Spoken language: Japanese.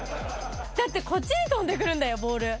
だって、こっちに飛んでくるんだよ、ボール。